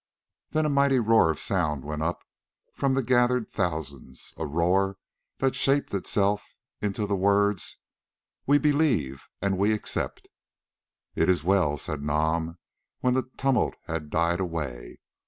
Then a mighty roar of sound went up from the gathered thousands, a roar that shaped itself into the words: "We believe and we accept." "It is well," said Nam when the tumult had died away.